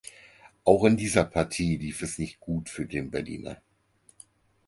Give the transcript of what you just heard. Auch in dieser Partie lief es nicht gut für den Berliner.